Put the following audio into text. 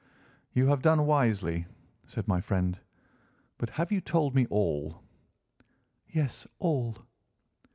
"You have done wisely," said my friend. "But have you told me all?" "Yes, all."